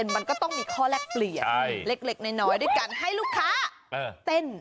มันก็ต้องมีข้อแลกเปลี่ยนเล็กน้อยด้วยการให้ลูกค้าเต้น